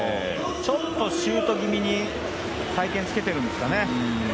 ちょっとシュート気味に回転つけてるんですかね。